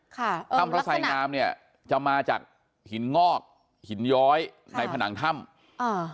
ค่ะถ้ำพระไสงามเนี่ยจะมาจากหินงอกหินย้อยในผนังถ้ำอ่า